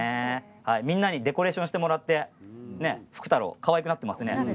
みんなにデコレーションしてもらってフクタロウかわいくなっていますね。